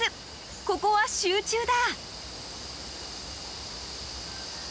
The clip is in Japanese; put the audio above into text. ここは集中だ］